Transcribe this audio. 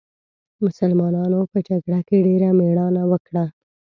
مسلمانانو په جګړه کې ډېره مېړانه وکړه.